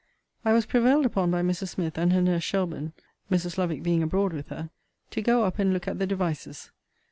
I was prevailed upon by Mrs. Smith and her nurse Shelburne (Mrs. Lovick being abroad with her) to go up and look at the devices.